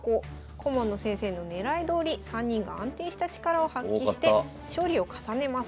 顧問の先生のねらいどおり３人が安定した力を発揮して勝利を重ねます。